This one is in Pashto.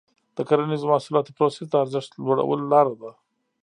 د کرنیزو محصولاتو پروسس د ارزښت لوړولو لاره ده.